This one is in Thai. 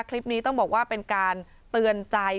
คลิปนี้ต้องบอกว่าเป็นการเตือนใจ